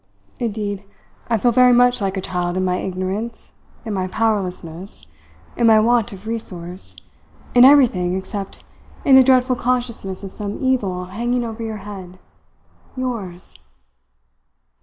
Indeed, I feel very much like a child in my ignorance, in my powerlessness, in my want of resource, in everything except in the dreadful consciousness of some evil hanging over your head yours!"